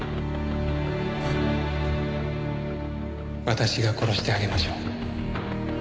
私が殺してあげましょう。